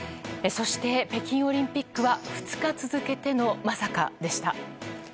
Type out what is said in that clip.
そして、北京オリンピックは２日続けてのまさかでした。